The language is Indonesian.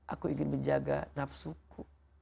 aku ingin menjaga nafsuku